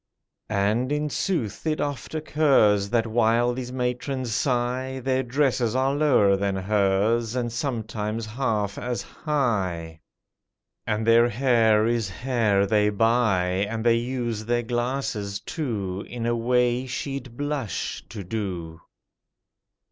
(And, in sooth, it oft occurs That while these matrons sigh, Their dresses are lower than hers, And sometimes half as high; And their hair is hair they buy, And they use their glasses, too, In a way she'd blush to do.)